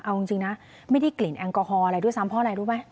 เอาจริงนะไม่ได้กลิ่นแอลกอฮอล์อะไรด้วยซ้ำเพราะอะไรรู้ไหม